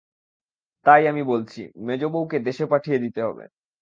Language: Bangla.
তাই আমি বলছি, মেজোবউকে দেশে পাঠিয়ে দিতে হবে।